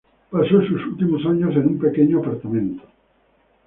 Pasó sus últimos años en un pequeño apartamento.